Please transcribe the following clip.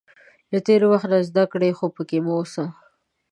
• له تېر وخت نه زده کړه، خو پکې مه اوسه.